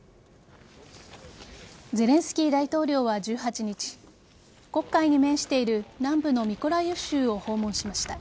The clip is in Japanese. ゼレンスキー大統領は１８日黒海に面している南部のミコライウ州を訪問しました。